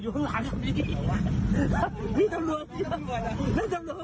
พี่ตำรวจพี่ตำรวจพี่ตำรวจแล้วตำรวจผิดแปลก